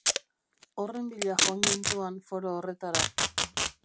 Horren bila joan gintuan foro horretara.